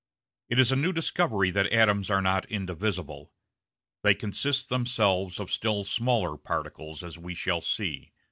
It is a new discovery that atoms are not indivisible. They consist themselves of still smaller particles, as we shall see.